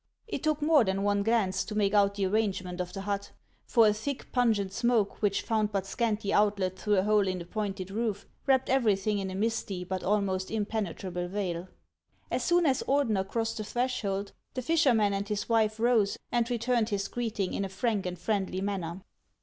It took more than one glance to make out the arrangement of the hut ; for a thick, pungent smoke, which found but scanty outlet through a hole in the pointed roof, wrapped everything in a misty but almost impenetrable veil. As soon as Ordener crossed the threshold, the fisherman and his wife rose, and returned his greeting in a frank and friendly manner.